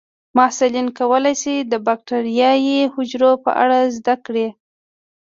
محصلین کولی شي د بکټریايي حجرو په اړه زده کړي.